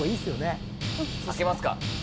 開けますか。